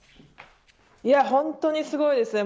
本当にすごいですね。